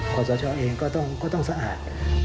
ขอสชเองก็ต้องสะอาด